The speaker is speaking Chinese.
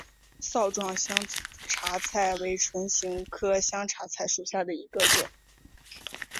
帚状香茶菜为唇形科香茶菜属下的一个种。